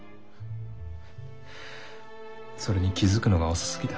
それに気付くのが遅すぎた。